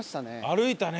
歩いたね